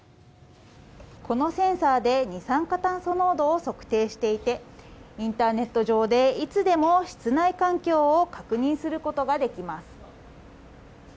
このセンサーで二酸化炭素濃度を測定していてインターネット上でいつでも室内環境を確認することができます。